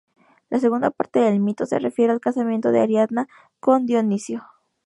La segunda parte del mito se refiere al casamiento de Ariadna con Dionisio.